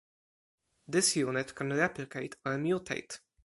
This unit can replicate or mutate.